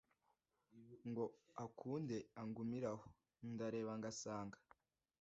Ngo akunde angumire aho Ndareba ngasanga